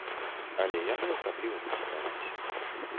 Але яны асабліва не цікавіліся.